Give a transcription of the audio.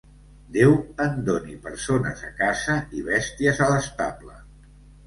Déu ens doni persones a casa i bèsties a l'estable.